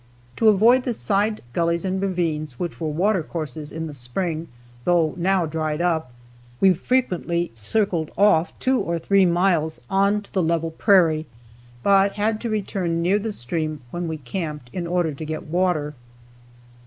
To avoid the side gullies and ravines, which were water courses in the spring, though now dried up, we frequently circled off two or three miles on to the level prairie, but had to return near the stream when we camped, in order to get water.